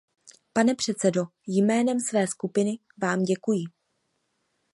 Pane předsedo, jménem své skupiny vám děkuji.